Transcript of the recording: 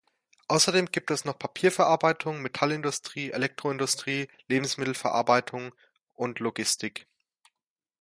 Außerdem gibt es noch Papierverarbeitung, Metallindustrie, Elektroindustrie, Lebensmittelverarbeitung und Logistik.